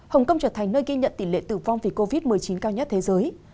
hồng kông trở thành nơi ghi nhận tỷ lệ tử vong vì covid một mươi chín cao nhất thế giới